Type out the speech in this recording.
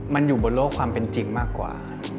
มันอยู่บนโลกความเป็นจริงมากกว่า